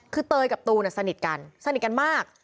คือเตยกับตูนสนิทกันสนิทกันมาก